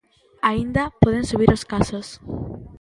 Aínda poden subir os casos.